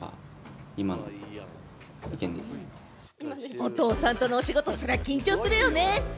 お父さんとのお仕事、そりゃ緊張するよね。